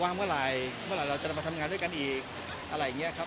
เมื่อไหร่เมื่อไหร่เราจะมาทำงานด้วยกันอีกอะไรอย่างนี้ครับ